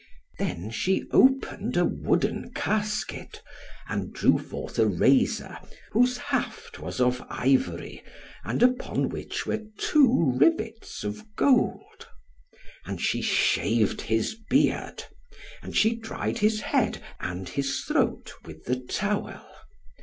Then she opened a wooden casket, and drew forth a razor, whose haft was of ivory, and upon which were two rivets of gold. And she shaved his beard, and she dried his head, and his throat, with the towel.